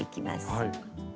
はい。